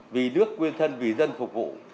vì nước quyên thân vì dân phục vụ